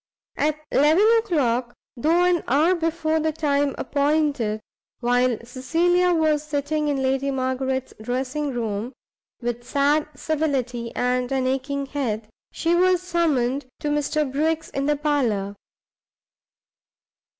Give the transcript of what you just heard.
At eleven o'clock, though an hour before the time appointed, while Cecilia was sitting in Lady Margaret's dressing room, "with sad civility and an aching head," she was summoned to Mr Briggs in the parlour.